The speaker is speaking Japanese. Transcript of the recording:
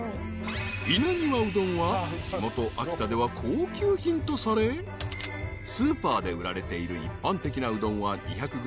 ［稲庭うどんは地元秋田では高級品とされスーパーで売られている一般的なうどんは２００ｇ